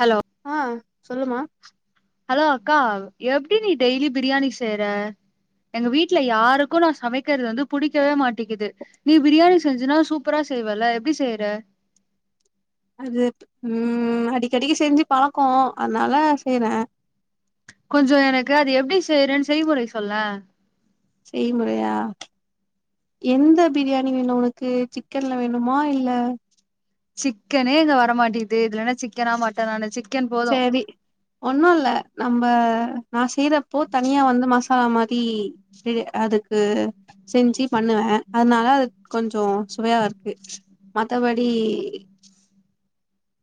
Hello ஆஹ் சொல்லுமா hello அக்கா எப்டி நீ டெய்லி பிரியாணி செய்ற எங்க வீட்ல யாருக்கு நா சமைக்கற்து வந்து புடிக்கவே மாட்டிக்குது நீ பிரியாணி செஞ்சுனா சூப்பரா செய்வல எப்டி செய்யற அது உம்ம் அடிக்கடிகு செஞ்சு பழக்கோ அதுனால செய்வ கொஞ்சோ எனக்கு அது எப்டி செய்றேன் செய்முறை சொல்ல செய்முறையா எந்த பிரியாணி வேணு உனக்கு சிக்கன்ல வேணுமா இல்ல சிக்கனே இங்க வரமாட்டிகுது இதுல என்ன சிக்கனா மட்டனானு சிக் சரி ஒன்னு இல்ல நம்ம நா செய்றப்போ தனியா வந்து மசாலா மா தி தி அதுக்கு செஞ்சு பண்ணுவ அதுனால கொஞ்சோ சுவையா இரு கு ம மத்தபடி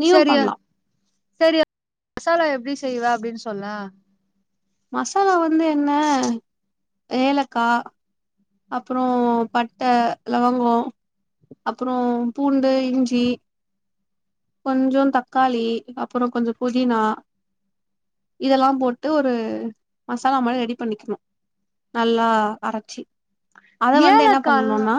நீயு சரியா பண்லா சரி மசாலா எப்டி செய்வ அப்டின் சொல்ல மசாலா வ ந்து என்ன ஏலக்கா அப்புறோ பட்ட லவங்கோ அப்புறோ பூண்டு இஞ்சி கொஞ்சம் தக்காளி அப்பறம் கொஞ்ச புதினா இதெல்லாம் போட்டு ஒரு மசாலா மாரி ரெடி பண்ணிக்கணும் நல்லா அரச்சி அத வந்து என்ன ஏலகால்ன்னு பண்ணனுனா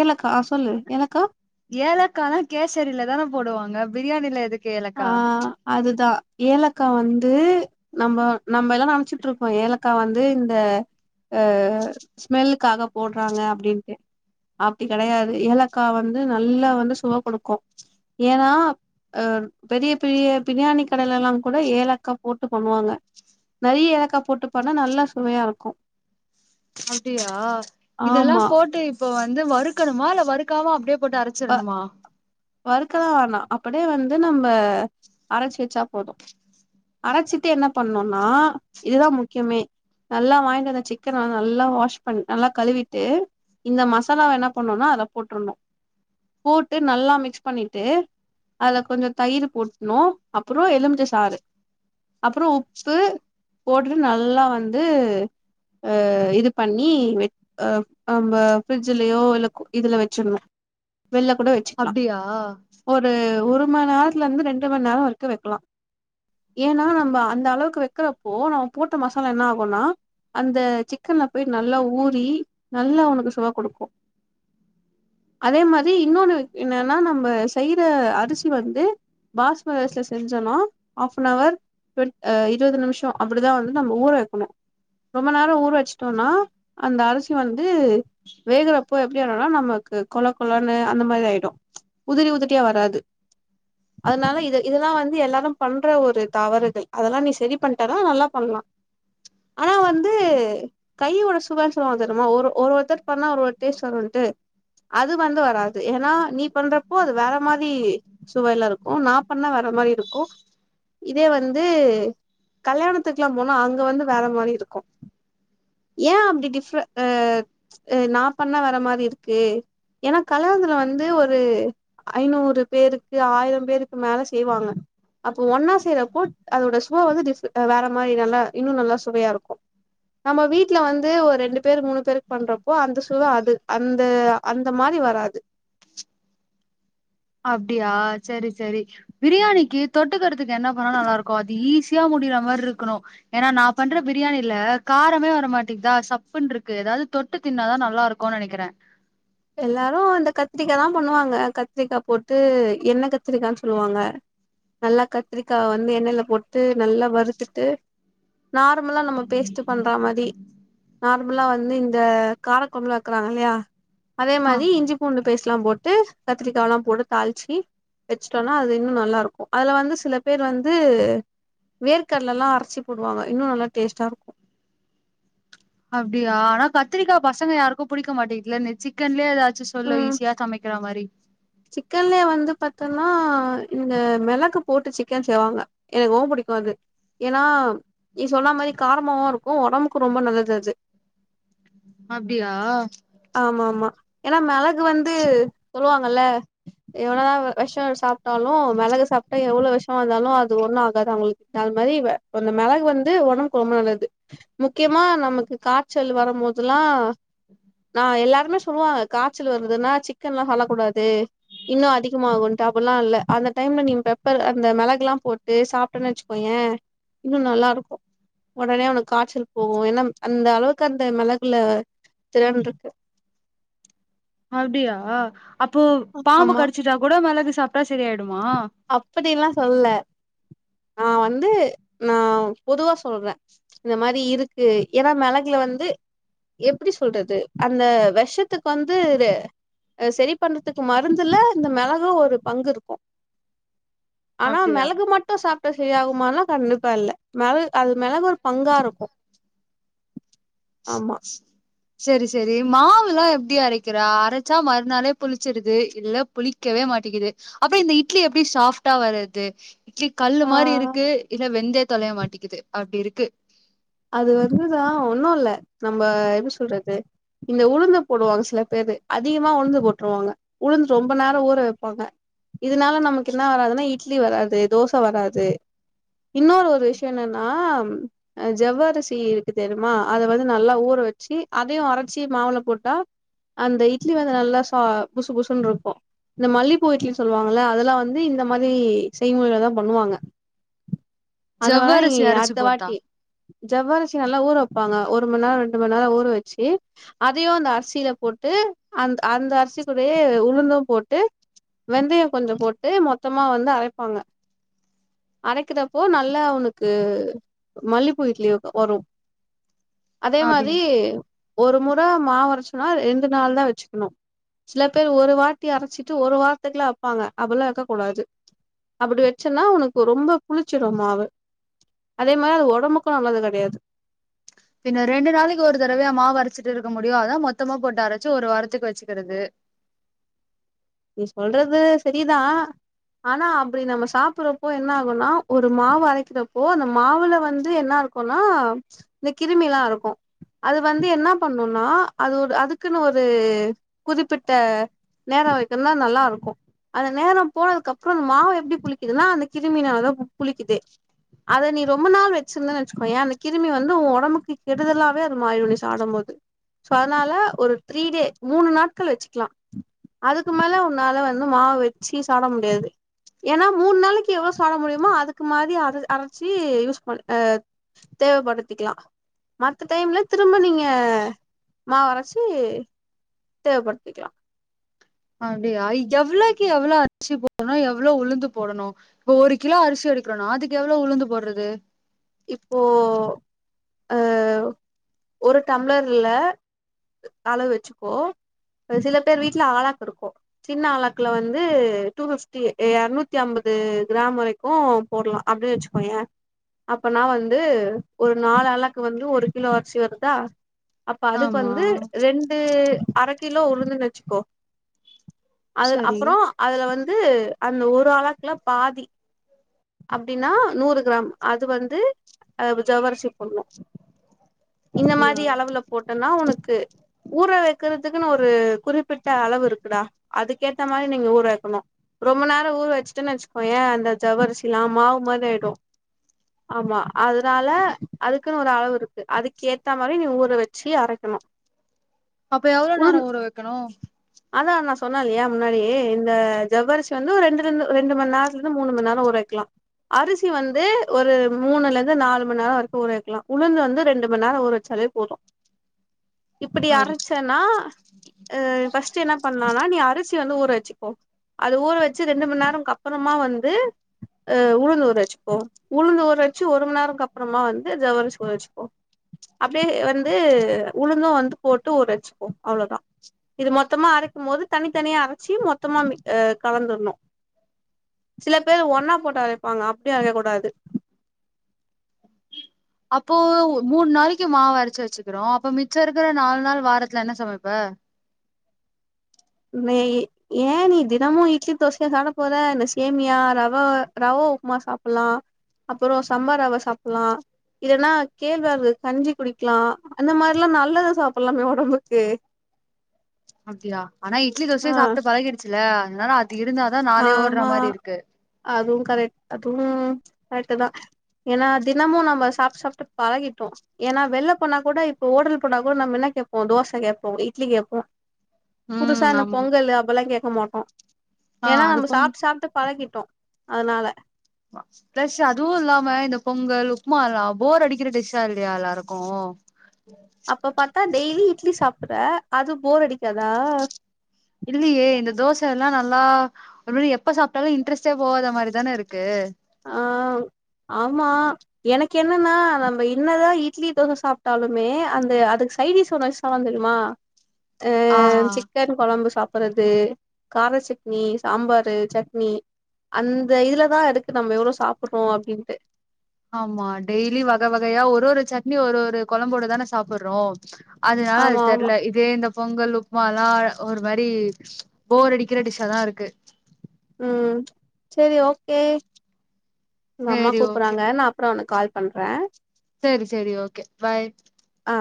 ஏலக்கா அ சொல்லு ஏலக்கா ஏலக்காலாம் கேசரில தான போடுவாங்க பிரியாணில எதுக்கு ஏலக்கா ஆ அதுதா ஏலக்கா வந்து நம்ம நம்ம எல்லாம் நினைச்சுட்டு இருக்கோம் ஏலக்கா வந்து இந்த அஹ் ஸ்மெல்லுக்காக போட்றாங்க அப்டின்ட்டு அப்டி கெடையாது ஏலக்கா வந்து நல்லா வந்து சுவை கொடுக்கும் ஏன்னா அஹ் பெரிய பெரிய பிரியாணி கடேலெல்லா கூட ஏலக்கா போட்டு பண்ணுவாங்க நெறைய ஏலக்கா போட்டு பண்ணா நல்ல சுவையா இருக்கூ அப்டியா இதெல்லா போட்டு இப்ப வந் இத வருக்கணுமா இல்ல வருக்காம அப்டேப் போட்டு அரச்சிடணுமா வறுக்கலாம் வேணாம் அப்டியே வந்து நம்ம அரைச்சு வச்சா போதும் அரச்சிட்டு என்ன பண்ணணும்னா இதுதான் முக்கியமே நல்லா வாங்ட்டு வந்த சிக்கன நல்லா வாஷ் பண்ண நல்லா கழுவிட்டு இந்த மசாலாவ என்ன பண்ணும்னா அதுல போட்ருணும் போட்டு நல்லா மிக்ஸ் பண்ணிட்டு அதுல கொஞ்சோ தயிர் போட்ணூ அப்றோ எலுமிச்ச சாறு அப்றோ உப்பு போட்டு நல்லா வந்து அ இது பண்ணி அ அம்ப ஃரிட்ஜ்லியோ இல்ல இதுல வச்சிட்னு வெள்ள கூட வச்சுக்லாம் அப்டியா ஒரு உரு ஒரு மண் நேரத்துல இருந்து ரெண்டு மணி நேரோ வெரிக்கும் வெக்கலா ஏன்னா அந்த அளவுக்கு வெக்கறப்போ நம்ம போட்ட மசாலா என்ன ஆகும்னா அந்த சிக்கன்ல போய் நல்லா ஊறி நல்லா ஒனக்கு சுவ கொடுக்கோ அதே மாரி இன்னொன்னு என்னென்னா நம்ம செய்ற அரிசி வந்து பாஸ்மதி அரிசில செஞ்சோனா ஹாஃப் அன் ஹவர் டுவென் இருவது நிமிஷோ அப்டிதா வந்து நம்ம ஊற வெக்கணு ரொம்ப நேரோ ஊற வச்சுட்டோனா அந்த அரிசி வந்து வேகறப்போ எப்டி ஆயிடும்னா நமக்கு கொல கொலன்னு அந்த மாரி ஆயிடு உதிரி உதிரியா வராது அதனால இது இதுதா வந்து எல்லாரு பண்ற ஒரு தவறுகள் அதெல்லா நீ செரி பண்ட்டனா நல்லா பண்ணலா ஆனா வந்து கையோட சுவ சொல்வாங்க தெரியுமா ஒரு ஒருத்தர் பண்ணா ஒரு ஒரு டேஸ்ட் வருன்ட்டு அது வந்து வராது ஏனா நீ பண்றப்போ அது வேற மாரி சுவைல இருக்கு நா பண்ணா வேற மாரி இருக்கு இதே வந்து கல்யாணத்துக்குல்லா போனா அங்க வந்து வேற மாரி இருக்கு ஏ அப்டி டிஃப்ர அ அ நா பண்ணா வேற மாரி இருக்கு ஏனா கல்யாணதுல வந்து ஒரு ஐநூறு பேருக்கு ஆயிரம் பேருக்கு மேல செய்வாங்க அப்போ ஒன்னா செய்யறப்போ அதோட சுவ வந்து டிஃப் அ வேற மாரி நல்லா இன்னு நல்லா சுவையா இருக்கு நம்ம வீட்டுல வந்து ஒ ரெண்டு பேர் மூணு பேருக் பண்றப்போ அந்த சுவ அது அந்த அந்த மாரி வராது அப்டியா சரி சரி பிரியாணிக்கு தொட்டுக்கறதுக்கு என்ன பண்ணா நல்லாருக்கு அது ஈஸியா முடியுற மார்ருக்கணு ஏன்னா நா பண்ற பிரியாணில காரமே வரமாட்டிக்தா சப்புன்றுக்கு எதாவ்து தொட்டு தின்னாதா நல்லா இருக்குன் நெனைக்கிறே எல்லாரு இந்த கத்திரிக்காதா பண்ணுவாங்க கத்திரிக்கா போட்டு எண்ணெ கத்திரிக்கானு சொல்லுவாங்க நல்லா கத்திரிக்காவ வந்து எண்ணெயில போட்டு நல்லா வறுத்துட்டு நார்மலா நம்ம பேஸ்ட் பண்ற மாரி நார்மலா வந்து இந்த காரக்கொழம்புல க்றாங்க இல்லயா அதே ஆ மாதி இஞ்சி பூண்டு பேஸ்ட்லா போட் ட்டு கத்திரிக்காலா போட்டு தாளிச்சி வச்சுட்டோன அது இன்னு நல்லா இருக்கு அதுல வந்து சில பேர் வந்து வேர் கடலலா அரச்சு போடுவாங்க இன்னு நல்லா டேஸ்ட்டாருக்கு அப்டியா ஆனா கத்திரிக்கா பசங்க யாருக்கும் புடிக்க மாட்டேங்குதுல இந்த சிக்கன்லே எதாச் ச்சு சொல்லு ஈஸியா சமைக்கிற மாரி சிக்கன்லே வந்து பாத்தோனா இந்த மெளகு போட்டு சிக்கன் செய்வாங்க எனக்கு ரொம் புடிக்கு அது ஏன்னா நீ சொன்னா மாரி காரமாவு இருக்கு ஒடம்புக்கு ரொம்ப நல்லது அது அப்டியா ஆமாமா ஏன்னா மெளகு வந்து சொல்லுவாங்கல்ல எவ்வளோதா வெ வெஷொ சாப்ட்டாலு மெளகு சாப்ட்டா எவ்ளோ வெஷொ இருந்தாலு அது ஒன்னு ஆகாது அவங்களுக்கு அது மாதிரி அந்த மெளகு வந்து ஒடம்புக்கு ரொம்ப நல்லது முக்கியமா நமக்கு காச்சல் வரம்போதெல்லா நா எல்லாருமே சொல்லுவாங்க காச்சல் வருதுன்னா சிக்கன்ல்லா சொல்லக் கூடாது இன்னு அதிகமாகுன்ட்டு அப்புல்லா இல்ல அந்த டைம்ல நீ பெப்பர் அந்த மெளகுல்லா போட்டு சாப்ட்டன்னு வச்சுக்கோயே இன்னு நல்லா இருக்கு ஒடனே உனக்கு காய்ச்சல் போகு ஏன்னா அந்த அளவுக்கு அந்த மெளகுல திறண்றுக்கு அப்டியா அப்போ பாம்பு ஆமா கடிச்சிட்டா கூட மெளகு சாப்டாச் அப்படில்லா சொல்லல நா வந்து நா பொதுவா சொல்றே இந்த மாரி இருக்கு ஏன்னா மெளகுல வந்து எப்டி சொல்றது அந்த விஷத்துக்கு வந்து செரி பண்றதுக்கு மருந்துல இந்த மெளகு ஒரு பங்கு இருக்கும். ஆனா அப்டியா மெளகு மட்டு சாப்ட செரியாகுமான்னா கண்டிப்பா இல்ல மெள அது மெளகு ஒரு பங்காருக்கு செரி செரி மாவ் ல்லா எப்டி அரக்கிற அரச்சா மறுநாளே புளிச்சிருது இல்ல புளிக்கவே மாட்டிக்குது அப்றோ இந்த இட்லி எப்டி சாஃப்ட்டா வருது இட்லி கல்லு மாரி ஆ இருக்கு இல்ல வெந்தே தொலய மாட்டிக்கிது அப்டிருக்கு அது வந்துதா ஒன்னும் இல்ல நம்ம எப்படி சொல்றது இந்த உளுந்த போடுவாங்க சில பேரு அதிகமா உளுந்து போட்டுருவாங்க உளுந்து ரொம்ப நேரோ ஊற வைப்பாங்க இதனால நமக்கு என்ன வராதுன்னா இப் இட்லி வராது தோச வராது இன்னோர் ஒரு விஷயோ என்னன்னா ஜவ்வருசி இருக்கு தெரியுமா அத வந்து நல்லா ஊற வெச்சு அதையு அரச்சி மாவுள போட்டா அந்த இட்லி வந்து நல்லா சா புசு புசுன்னு இருக்கோ இந்த மல்லிப்பூ இட்லின்னு சொல்லுவாங்கள அதெல்லா வந்து இந்த மாரி செய்முறைதா பண்ணுவாங்க அந்த மாரி ஜவ்வரிசி அரச்சு அடுத்த போட்டா வாட்டி ஜவ்வரசி நல்லா ஊற வைப்பாங்க ஒரு மணி நேரோ ரெண்டு மணி நேரோ ஊற வெச்சு அதையு அந்த அரிசில போட்டு அந்த் அந்த அரிசி கூடைய உளுந்தும் போட்டு வெந்தயோ கொஞ்சோ போட்டு மொத்தமா வந்து அரைப்பாங்க அரைக்கிறப்போ நல்லா அவனுக்கு மல்லிப்பூ இட்லி வரும் அதே அப்டி மாரி ஒரு முற மாவரச்சனா ரெண்டு நாள் தா வெச்சுக்ணு சில பேர் ஒரு வாட்டி அரச்சிட்டு ஒரு வாரத்துக்குலா வப்பாங்க அப்ல்லா வெக்க கூடாது அப்புடி வெச்சேன்னா உனக்கு ரொம்ப புளிச்சிரு மாவு [unintelligible] அதே மாதரி அது ஒடம்புக்கு நல்லது கெடயாது பின்ன ரெண்டு நாளக்கி ஒரு தடவயா மாவு அரச்சிட்டு இருக்க முடியு அதா மொத்தமா போட்டு அரச்சு ஒரு வாரத்துக்கு வச்சிக்கிறது நீ சொல்றது சரிதா ஆனா அப்டி நம்ம சாப்படுறப்போ என்ன ஆகும்னா ஒரு மாவு அரைக்கிறப்போ அந்த மாவுல வந்து என்ன இருக்கும்னா இந்த கிருமி எல்லாம் இருக்கோ அது வந்து என்ன பண்ணும்னா அது ஒரு அதுக்குன்னு ஒரு குறிப்பிட்ட நேரோ வை இதெல்லா நல்லா இருக்கோ அந்த நேரோ போனதுக்கு அப்புறம்ந்தா மாவு எப்படி புளிக்குதுனா அந்த கிருமி நா புளிக்குதே அத நீ ரொம்ப நாள் வெச்சிருந்தன்னு வச்சுக்கோ ஏன் அந்த கிருமி வந்து ஒடம்புக்கு கெடுதலாவே அது மாய நீ சாடும் போது அதனால ஒரு த்ரீ டே மூணு நாட்கள் வச்சுக்கலா அது அதுக்கு மேல உன்னால வந்து மாவு வெச்சு சாப்ட முடியாது ஏன்னா மூணு நாளைக்கு எவ்ளவு சாப்ட முடியுமோ அதுக்கு மாரி அரச்சி யூஸ் பண் தேவப்படுத்திக்கலா ம டைம்ல திரும்ப நீங்க மாவு அரச்சி தேவப்படுத்திக்கலாம அப்டியா எவ்ளோக்கு எவ்ளோ அரிசி போடணு எவ்ளோ உளுந்து போடணு இப்ப ஒரு கிலோ அரிசி எடுக்றோனா அதுக்கு எவ்ளோ உளுந்து போடுறது இப்போ அ ஒரு டம்ளர்ல அளவு வச்சுக்கோ சில பேர் வீட்ட ஆளாக் இருக்கு சின்ன ஆளாக்ல வந்து டூ ஃபிஃப்டி எரநூத்தி அம்பது கிராம் வரைக்கு போடுலா அப்டின் வச்சுக்கோ ஏ அப்பனா வந்து ஒரு நாலு ஆளாக்கு வந்து ஒரு கிலோ அரிசி வர்தா அப்ப அதுக் ஆமா வந்து ரெண்டு அரக் கிலோ உளுந்துன்னு வச்சிக்கோ அது சரி அப்றோ அதுல வந் து அந்த ஒரு ஆளாக்ல பாதி அப்டின்னா நூறு கிராம் அது வந்து அ ஜவ்ரிசிப் இந்த அப்டியா மாரி அளவுல போட்டன்னா ஒனக்கு ஊற வெக்கறதுக்குன்னு ஒரு குறிப்பிட் அளவு இருக்குடா அதுக்கேத்த மாரி நீங்க ஊர வெக்கணு ரொம்ப நேர ஊர வச்சுட்டன்னு வச்சுக்கோயே அந்த ஜவ்வரிசி லாம் மாவு மாரி ஆய்டு ஆமா அதுனால அதுக்குனு ஒரு அளவு இருக்கு அதுக் ஏத்த மாரி நீ ஊற வெச்சு அரக்கணு அப்ப எவ்ளோ நேரோ ஊற வெக்கணு அதா நா சொன்ன இல்லயா முன்னாடி இந்த ஜவ்வரிசி வந்து ரெண்டுலந்து ரெண்டு மணி நேரத்துல ருந்து மூணு மண் நேரோ ஊற க்லா அரிசி வந்து ஒரு மூணுலருந்து நாலு மண் நேரோ வரைக்கு ஊற வெக்கலா உளுந்து வந்து ரெண்டு மண் நேரோ ஊற வச்சாலே போது இப்புடி அப்டி அரச்சன்னா ஆ ஃபஸ்ட் என்ன பண்ணலனா நீ அரிசி து வந்து ஊற வச்சுக்கோ அது ஊற வச்சு ரெண்டுமண் நேரோக்கப்றமா வந்து அ உளுந்து ஊற வச்சுப்போ உளுந்து ஊற வச்சு ஒரு ஒரு மண் நேரக்கப்றமா வந்து ஜவ்வரிசி ஊற வச்சிப்போ அப்டியே வந்து உளுந்து வந்து போட்டு ஊறச்சுப்போ அவ்ளோதா இது மொத்தமா அரைக்கு போது தனித்தனியா அரச்சி மொத்தமா மி கலந்துர்ணு சில பேர் ஒன்னா போ ட்டு அரைப்பாங்க அப்டி அரைக்க கூடாது அப்போ மூணு நாளைக்கு மாவு அரைச்சு வச்சுக்குறோ அப்ப மிச்ச இருக்கிற நாலு நாள் வாரத்துல என்ன சமைப்ப நீ ஏன் நீ தினமும் இட்லி தோசையா சாப்ட போற இந்த சேமியா ரவை ரவை உப்புமா சாப்டலா அப்பறம் சம்பா ரவை சாப்டலா இதெல்லாம் கேழ்வரகு கஞ்சி குடிக்லாம் அந்த மாரிலாம் நல்லதும் சாப்டலாமே ஒடம்புக்கு அப்டியா ஆனா இட்லிதோசையே ஆ சாப்ட்டு பலகிடுச்சுல [unintelligible] ஆமா அதுவும் க்ரெட்டு து கரெட்டு தா ஏன்னா தினமு நம்ம சாப்ட்டு சாப்ட்டு பழகிட்டோ ஏன்னா வெள்ள போனா கூட இப்போ ஓடல் போனா கூட நம்ம இன்னா கேப்போ தோச கேப்போ இட்லி கேப்போ ம் புதுசான ஆமா பொங்கல் அப்டில்லாம் கேக்க சோமாட்டா ஆ ஏனா அது நம்ம போம் சாப்டு சாப்டு பழகிட்டோ அதுனால ப்ளஸ் அதுவு இல்லாம இந்த பொங்கல் உப்புமா எல்லா போர் அடிக்கிற டிஷ்ஷா இல்லையா எல்லாருக்கு அப்ப பாத்தா டெய்லி இட்லி சாப் பற அது போர் அடிக்காதா இல்லியே இந்த தோச லா நல்லா ஒரு மரி எப்ப சாப்டாலு இன்ட்ரெஸ்ட்டே போகாத மாரிதான இருக்கு ஆ ஆமா எனக்கு என்னன்னா நம்ம இன்னதான் இட்லி தோசை சாப்டாலுமே அந்த அதுக்கு சைடடிஸ் ஒண்ணு [unintelligible] தெரியுமா ஆ சிக்கன் கொழம்பு சாப் றது கார சட்னி சாம்பாரு சட்னி அந்த இதுலதா இருக் கு நம்ம எவ்வளோ சாப்படறோ அப்டின்ட்டு ஆமா டெய்லி வக வகையா ஒரொரு சட்னி ஒரொரு கொழம்போட தானே சாப்படறோ அதனால அது ஆமா ஆமா தெர்ல இதே இந்த பொங்கல் உப்மா எல்லா ஒரு மாரி போர் அடிக்கிற டிஷ்ஷாதா இருக்கு ம் செரி ஓக்கே ங் அம்மா சேரி ஓகே கூப்புறாங்க நா அப்ற ஒனக் கால் பண்றே சேரி சேரி ஓகே பை அ